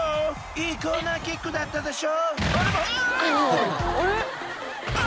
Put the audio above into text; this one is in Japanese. いいコーナーキックだったでしょ。